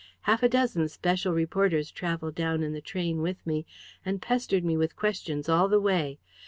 Half a dozen special reporters travelled down in the train with me and pestered me with questions all the way.